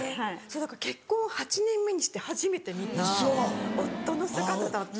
だから結婚８年目にして初めて見た夫の姿だったんで。